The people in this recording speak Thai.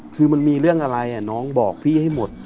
คือมันมีเรื่องอะไรน้องบอกพี่ให้หมด